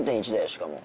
しかも。